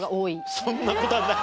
そんな事はない